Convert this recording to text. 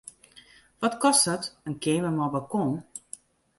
Wat kostet in keamer mei balkon?